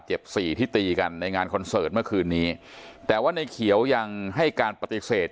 สี่ที่ตีกันในงานคอนเสิร์ตเมื่อคืนนี้แต่ว่าในเขียวยังให้การปฏิเสธ